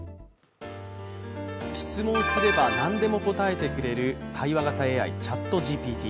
質問すれば何でも答えてくれる対話型ＡＩ、ＣｈａｔＧＰＴ。